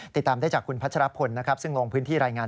ติดตามได้จากคุณพัชรพลนะครับซึ่งลงพื้นที่รายงาน